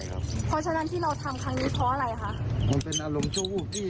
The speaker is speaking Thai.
เพราะฉะนั้นที่เราทำครั้งนี้เพราะอะไรคะมันเป็นอารมณ์ชั่ววูบพี่